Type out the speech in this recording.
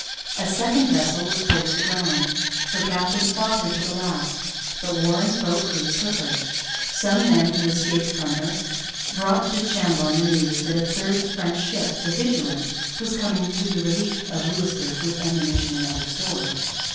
A second vessel was forced aground. Her captain fought her to the last; but Warren's boat crews took her. Some men who escaped from her brought du Chambon the news that a third French ship, the Vigilant, was coming to the relief of Louisbourg with ammunition and other stores.